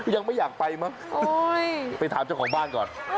ยังไม่อยากไปมั้งไปถามเจ้าของบ้านก่อน